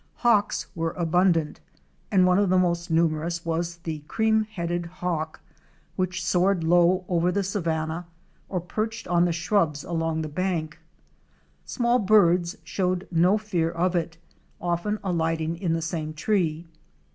Hawks were abundant and one of the most numerous was the Cream headed Hawk, which soared low over the sa THE LIFE OF THE ABARY SAVANNAS. 355 vanna or perched on the shrubs along the bank. Small birds showed no fear of it, often alighting in the same tree..